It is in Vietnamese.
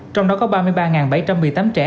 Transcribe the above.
trong đó có ba mươi ba bảy trăm một mươi tám trẻ